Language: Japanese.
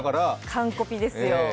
完コピですよ。